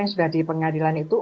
yang sudah di pengadilan itu